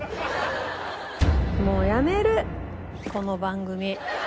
もう辞めるこの番組。